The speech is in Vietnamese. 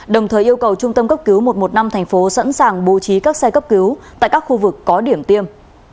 đồng thời yêu cầu trung tâm cấp cứu một trăm một mươi năm tp sẵn sàng bố trí các xe cấp cứu tại các khu vực có điểm tiêm